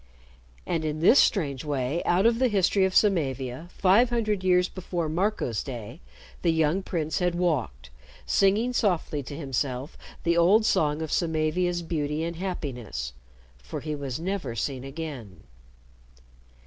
And in this strange way out of the history of Samavia, five hundred years before Marco's day, the young prince had walked singing softly to himself the old song of Samavia's beauty and happiness. For he was never seen again.